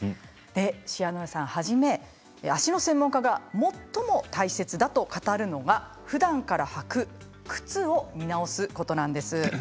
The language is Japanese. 塩之谷さんはじめ、足の専門家が最も大切だと語るのがふだんから履く靴を見直すことなんです。